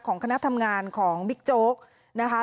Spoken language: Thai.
คณะทำงานของบิ๊กโจ๊กนะคะ